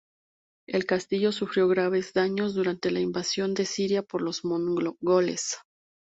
El castillo sufrió graves daños durante la invasión de Siria por los mongoles.